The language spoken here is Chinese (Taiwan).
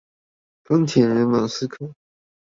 鋼鐵人馬斯克